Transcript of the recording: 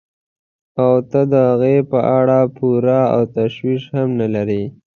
او ته د هغوی په اړه پروا او تشویش هم نه لرې.